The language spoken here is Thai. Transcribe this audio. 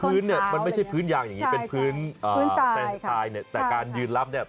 คือพื้นเนี่ยมันไม่ใช่พื้นยางอย่างงี้เป็นพื้นใต้แต่การยืนรับเนี่ย